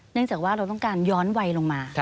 จากว่าเราต้องการย้อนวัยลงมา